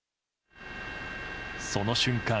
その瞬間